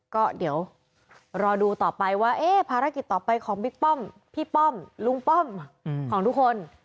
ก็เดี๋ยวรอดูต่อไปว่าภารกิจต่อไปของบิ๊กป้อมพี่ป้อมลุงป้อมของทุกคน